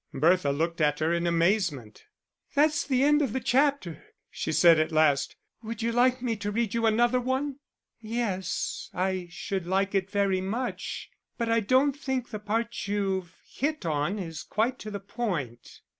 Bertha looked at her in amazement. "That's the end of the chapter," she said at last; "would you like me to read you another one?" "Yes, I should like it very much; but I don't think the part you've hit on is quite to the point."